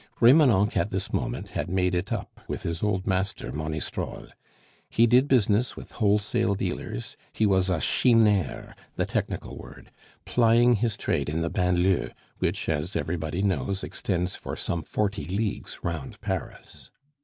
Remonencq at this moment had made it up with his old master Monistrol; he did business with wholesale dealers, he was a chineur (the technical word), plying his trade in the banlieue, which, as everybody knows, extends for some forty leagues round Paris.